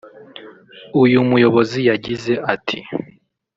uyu muyobozi yagize ati